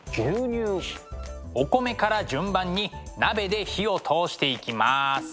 お米から順番に鍋で火を通していきます。